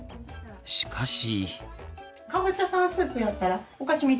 しかし。